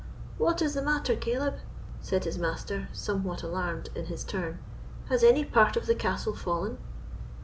"What is the matter, Caleb?" said his master, somewhat alarmed in his turn; "has any part of the castle fallen?"